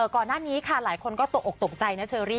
ก่อนหน้านี้ค่ะหลายคนก็ตกออกตกใจนะเชอรี่